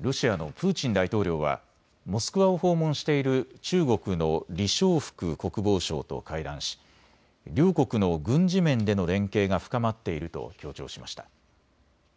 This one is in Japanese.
ロシアのプーチン大統領はモスクワを訪問している中国の李尚福国防相と会談し両国の軍事面での連携が深まっていると強調しました。